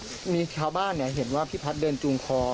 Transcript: พี่พัดมีข้าวบ้านเห็นว่าพี่พัดเดินจูงคอ